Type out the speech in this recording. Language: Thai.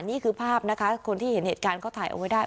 นี่คือภาพนะคะคนที่เห็นเหตุการณ์เขาถ่ายเอาไว้ได้